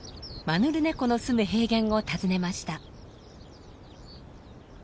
マヌルネコのすむ平原を訪ねました。